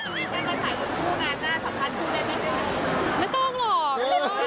ไม่ต้องหรอก